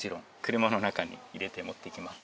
車の中に入れて持っていきます。